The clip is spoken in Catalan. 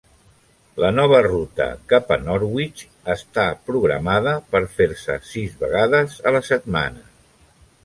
La nova ruta cap a Norwich està programada per fer-se sis vegades a la setmana.